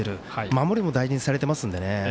守りも大事にされてますので。